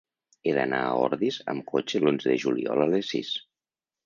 He d'anar a Ordis amb cotxe l'onze de juliol a les sis.